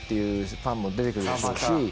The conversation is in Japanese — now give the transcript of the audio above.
ファンも出てくるでしょうし。